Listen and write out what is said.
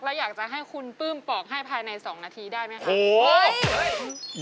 อยากจะให้คุณปลื้มปอกให้ภายใน๒นาทีได้ไหมคะ